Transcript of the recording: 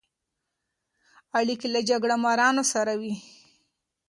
اړیکې له جګړه مارانو سره وې.